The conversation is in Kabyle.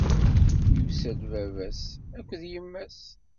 Yusa-d baba-s akked d yemma-s.